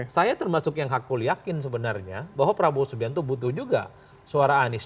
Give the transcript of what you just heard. saya termasuk yang hakul yakin sebenarnya bahwa prabowo subianto butuh juga suara anies